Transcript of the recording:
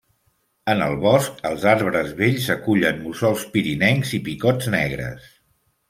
En el bosc, els arbres vells acullen mussols pirinencs i picots negres.